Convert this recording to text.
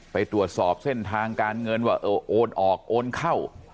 ไปตรวจสอบเส้นทางการเงินว่าเออโอนออกโอนเข้า